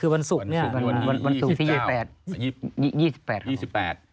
วันศุกร์ที่๒๘